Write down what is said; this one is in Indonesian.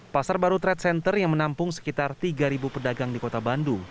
pasar baru trade center yang menampung sekitar tiga pedagang di kota bandung